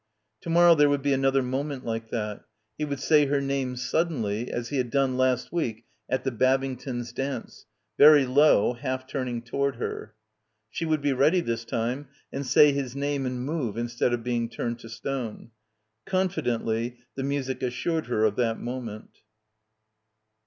To morrow there would be another moment like that. He would say her name suddenly, as — 40 — BACKWATER he had done last week at the Babingtons' dance, very low, half turning towards her. She would be ready this time and say his name and move instead of being turned to stone. Confidently the music assured her of that moment.